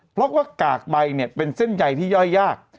เพราะว่ากากใบเนี่ยเป็นเส้นใยที่ย่อยยาก